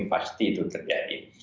pasti itu terjadi